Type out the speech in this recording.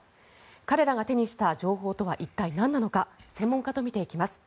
彼らが手にした情報とは一体、なんなのか専門家と見ていきます。